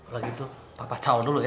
lagi itu papa calon dulu ya